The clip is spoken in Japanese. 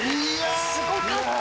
すごかった。